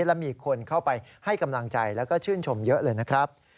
และมีคนเข้าไปให้กำลังใจแล้วก็ชื่นชมเยอะเลยนะครับ